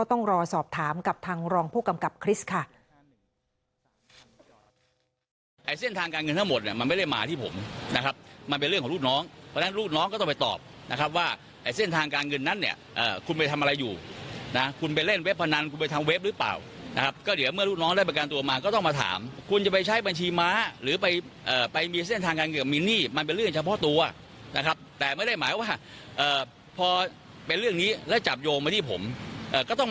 มันเป็นเรื่องของลูกน้องเพราะฉะนั้นลูกน้องก็ต้องไปตอบนะครับว่าเส้นทางการเงินนั้นเนี่ยคุณไปทำอะไรอยู่นะคุณไปเล่นเว็บพนันคุณไปทำเว็บหรือเปล่านะครับก็เดี๋ยวเมื่อลูกน้องได้ประการตัวมาก็ต้องมาถามคุณจะไปใช้บัญชีม้าหรือไปไปมีเส้นทางการเงินมีนี่มันเป็นเรื่องเฉพาะตัวนะครับแต่ไม่ได้หมายว่าพอเป็น